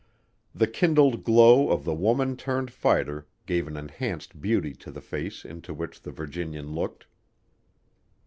The kindled glow of the woman turned fighter gave an enhanced beauty to the face into which the Virginian looked.